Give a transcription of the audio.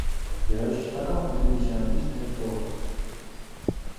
Երաժշտական ֆիլմի ժանրի ստեղծողը։